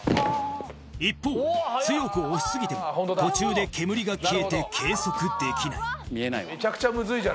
一方強く押し過ぎても途中で煙が消えて計測できない見えないわ。